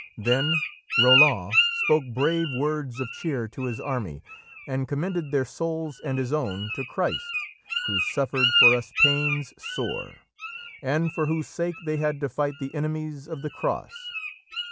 Then Roland spoke brave words of cheer to his army and commended their souls and his own to Christ, "who suffrid for us paynes sore," and for whose sake they had to fight the enemies of the Cross.